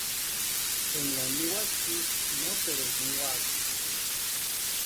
Énkani niwaka ji noteruni junkwaaka.